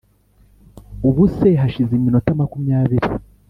ubuse hashize iminota makumyabiri